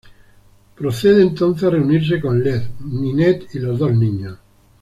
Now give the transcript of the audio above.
Procede entonces a reunirse con Leah, Ninette y los dos niños.